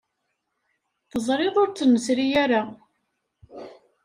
Teẓrid ur tt-nesri ara.